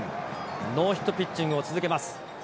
ノーヒットピッチングを続けます。